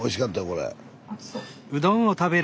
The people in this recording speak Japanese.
これ。